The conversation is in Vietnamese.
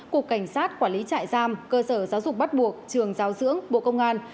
cục cảnh sát quản lý trại giam cơ sở giáo dục bắt buộc trường giáo dưỡng bộ công an